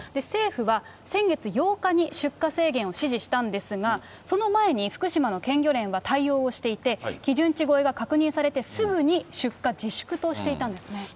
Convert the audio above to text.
政府は先月８日に出荷制限を指示したんですが、その前に福島の県漁連は対応をしていて、基準値超えが確認されてすぐに出荷自粛としていたんですね。